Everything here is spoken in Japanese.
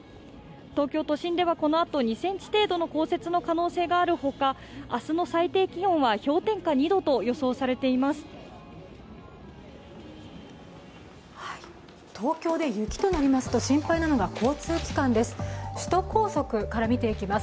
東京都心ではこのあと、２ｃｍ程度の降雪の可能性があるほか、明日の最低気温は氷点下２度と予想されています。